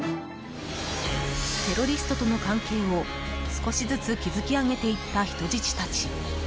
テロリストとの関係を、少しずつ築き上げていった人質たち。